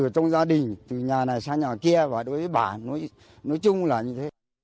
trong gia đình từ nhà này sang nhà kia và đối với bản nói chung là như thế